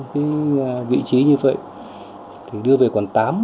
cái vị trí như vậy thì đưa về quận tám